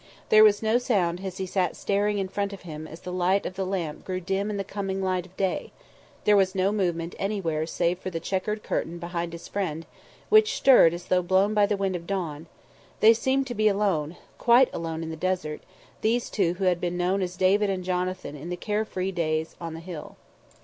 There was no sound as he sat staring in front of him as the light of the lamp grew dim in the coming light of day, there was no movement anywhere save for the chequered curtain behind his friend, which stirred as though blown by the wind of dawn; they seemed to be alone, quite alone in the desert, these two who had been known as David and Jonathan in the care free days on the Hill.